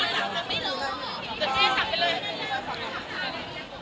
สวัสดีสวัสดีครับ